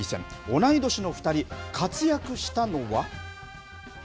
同い年の２人、活躍したのは。